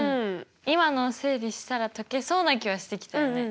今のを整理したら解けそうな気はしてきたよね。